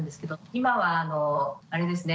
今はあれですね。